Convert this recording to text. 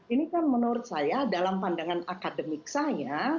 ini kan menurut saya dalam pandangan akademik saya